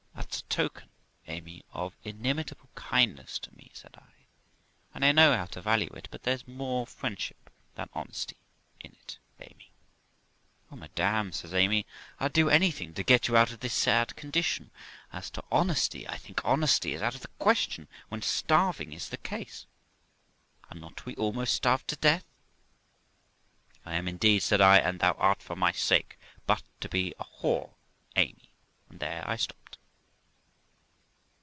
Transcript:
'That's a token, Amy, of inimitable kindness to me', said I, 'and I know how to value it; but there's more friendship than honesty in it, Amy.' 'Oh, madam', says Amy, 'I'd do anything to get you out of this sad condition; as to honesty, I think honesty is out of the question when starving is the case. Are not we almost starred to death ?' 'I am indeed', said I, 'and thou art for my sake; but to be a whore, Amy!'; and there I stopped.